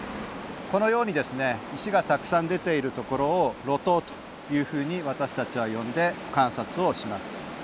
このようにですね石がたくさん出ているところを露頭というふうに私たちは呼んで観察をします。